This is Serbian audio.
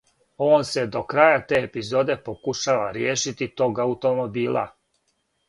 Он се до краја те епизоде покушава ријешити тог аутомобила.